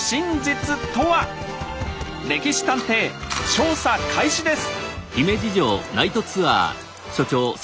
「歴史探偵」調査開始です。